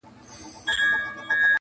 چي پیسې لري هغه د نر بچی دی.